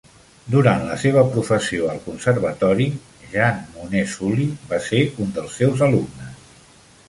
Durant la seva professió al Conservatori, Jean Mounet-Sully va ser un dels seus alumnes.